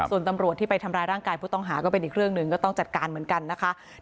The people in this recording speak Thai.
ส่วนตำรวจที่ไปทำร้ายร่างกายผู้ต้องหาก็เป็นอีกเรื่องหนึ่งก็ต้องจัดการเหมือนกันนะคะ